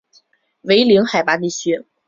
为零海拔地区。